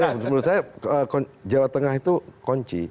ya makanya menurut saya jawa tengah itu kunci